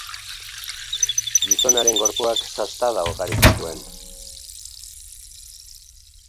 Gizonaren gorpuak sastada ugari zituen.